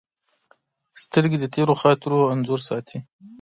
سترګې د تېرو خاطرو انځور ساتي